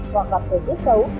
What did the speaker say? hoặc gặp về tiết xấu